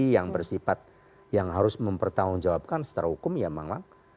yang bersifat yang harus mempertanggung jawabkan setara hukum ya memang